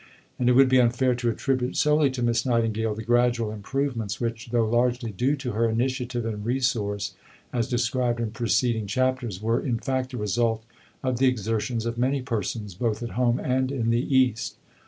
And it would be unfair to attribute solely to Miss Nightingale the gradual improvements which, though largely due to her initiative and resource (as described in preceding chapters), were in fact the result of the exertions of many persons both at home and in the East.